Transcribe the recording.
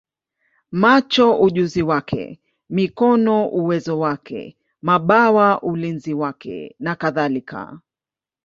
macho ujuzi wake, mikono uwezo wake, mabawa ulinzi wake, nakadhalika.